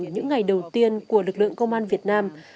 những ngày đầu tiên của lực lượng công an việt nam